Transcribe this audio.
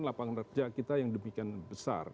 lapangan kerja kita yang demikian besar